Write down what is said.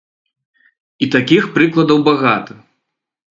І такіх прыкладаў багата.